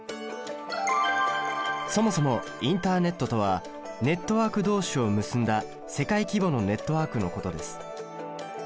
そもそもインターネットとはネットワーク同士を結んだ世界規模のネットワークのことです。